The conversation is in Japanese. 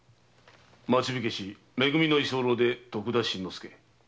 町火消し「め組」の居候で徳田新之助。